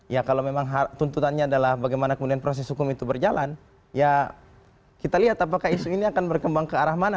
ya kalau memang tuntutannya adalah bagaimana kemudian proses hukum itu berjalan ya kita lihat apakah isu ini akan berkembang ke arah mana